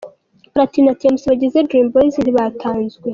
Platini na Tmc bagize Dream Boys ntibatanzwe.